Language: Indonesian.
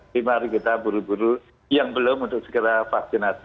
jadi mari kita buru buru yang belum untuk segera vaksinasi